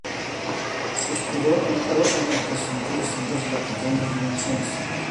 Su escudo es un corazón en el que se incluyen otros de pequeñas dimensiones.